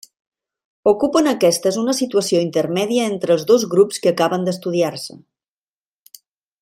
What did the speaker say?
Ocupen aquestes una situació intermèdia entre els dos grups que acaben d'estudiar-se.